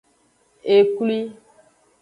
Eklwi.